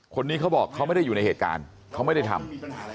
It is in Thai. คนนี้เขาบอกเขาไม่ได้อยู่ในเหตุการณ์เขาไม่ได้ทำ